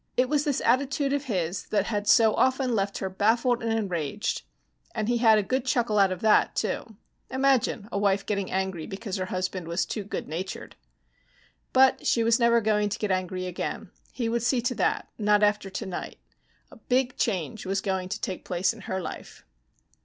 It was this attitude of his that had so often left her baffled and enraged, and he had a good chuckle out of that, too. Imagine a wife getting angry because her husband was too good natured. But she was never going to get angry again. He would see to that. Not after tonight. A big change was going to take place in her life.